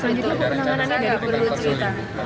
jadi itu penanganannya dari berdua cerita